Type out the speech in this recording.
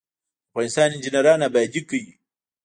د افغانستان انجنیران ابادي کوي